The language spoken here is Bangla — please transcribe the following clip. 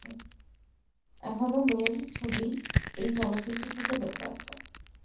এখনো মে'র ছবি এই চলচ্চিত্র থেকে বেঁচে আছে।